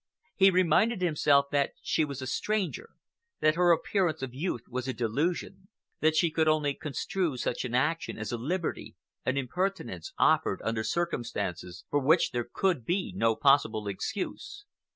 He reminded himself that she was a stranger, that her appearance of youth was a delusion, that she could only construe such an action as a liberty, an impertinence, offered under circumstances for which there could be no possible excuse.